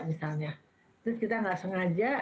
misalnya terus kita nggak sengaja